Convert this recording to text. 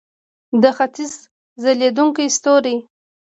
د ختیځ ځلیدونکی ستوری.